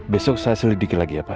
besok saya selidiki lagi ya pak